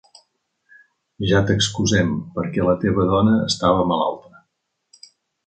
Ja t'excusem, perquè la teva dona estava malalta.